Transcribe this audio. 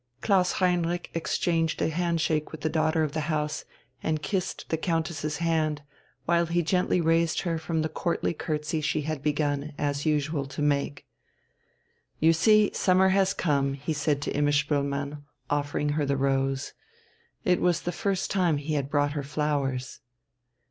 Klaus Heinrich exchanged a handshake with the daughter of the house, and kissed the Countess's hand, while he gently raised her from the courtly curtsey she had begun, as usual, to make. "You see, summer has come," he said to Imma Spoelmann, offering her the rose. It was the first time he had brought her flowers.